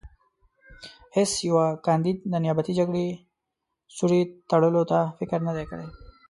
هېڅ یوه کاندید د نیابتي جګړې سوړې تړلو ته فکر نه دی کړی.